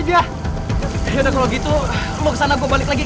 gak mau lancar lagi